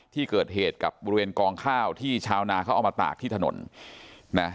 ที่เกิดเหตุกับบริเวณกองข้าวที่ชาวนาเขาเอามาตากที่ถนนนะ